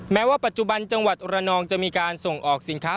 แม้ว่าปัจจุบันจังหวัดระนองจะมีการส่งออกสินค้า